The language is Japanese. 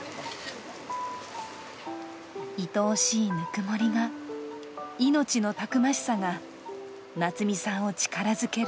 愛おしいぬくもりが、命のたくましさが夏美さんを力づける。